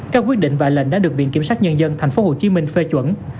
các quyết định và lệnh đã được viện kiểm sát nhân dân tp hcm phê chuẩn